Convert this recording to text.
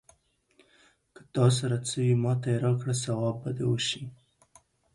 که تا سره څه وي، ماته يې راکړه ثواب به دې وشي.